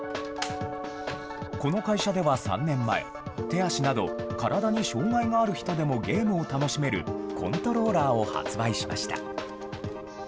この会社では３年前、手足など体に障害がある人でもゲームを楽しめるコントローラーを発売しました。